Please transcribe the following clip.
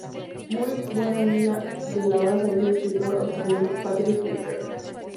Fue muy buena amiga del ahora fallecido escritor australiano Patrick White.